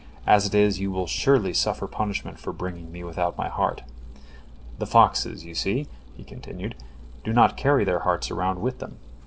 As it is, you will surely suffer punishment for bringing me without my heart. The foxes, you see," he continued, "do not carry their hearts around with them.